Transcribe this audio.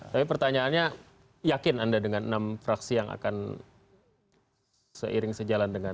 tapi pertanyaannya yakin anda dengan enam fraksi yang akan seiring sejalan dengan